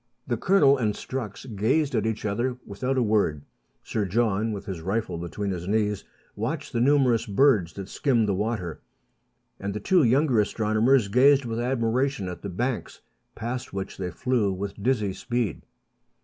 The Colonel and Strux gazed at each other without a word ; Sir John, with his rifle between his knees, watched the numerous birds that skimmed the water ; and the two younger astronomers gazed with admiration at the banks, past which they flew with dizzy speed.